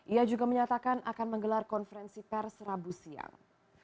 ia juga menyatakan akan menggelar konferensi pers rabu siang